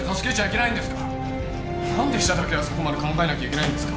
なんで医者だけがそこまで考えなきゃいけないんですか